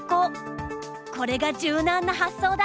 これが柔軟な発想だったんだ。